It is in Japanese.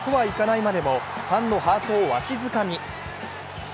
いまでもファンのハートをわしづかみ。